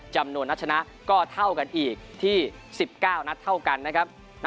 จำนวนนัดชนะก็เท่ากันอีกที่๑๙นัดเท่ากันนะครับ